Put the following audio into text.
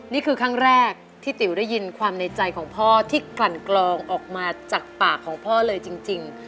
นี่คือครั้งแรกที่ติ๋วได้ยินความในใจของพ่อที่กลั่นกลองออกมาจากปากของพ่อเลยจริง